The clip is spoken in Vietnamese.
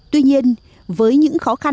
tuy nhiên với những khó khăn